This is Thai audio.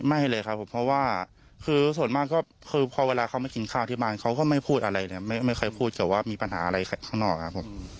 ไม่เลยครับผมเพราะว่าคือส่วนมากก็คือพอเวลาเขามากินข้าวที่บ้านเขาก็ไม่พูดอะไรเนี่ยไม่เคยพูดกับว่ามีปัญหาอะไรข้างนอกครับผม